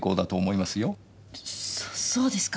そそうですか？